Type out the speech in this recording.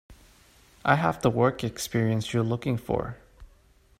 I have the work experience you are looking for.